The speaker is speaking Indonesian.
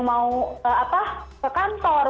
mau ke kantor